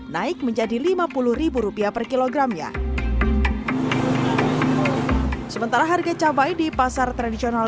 empat puluh naik menjadi lima puluh rupiah per kilogram ya sementara harga cabai di pasar tradisional